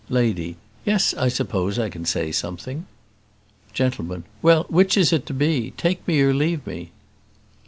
Lady. "Yes, I suppose I can say something." Gentleman. "Well, which is it to be; take me or leave me?"